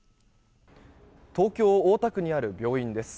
東京・大田区にある病院です。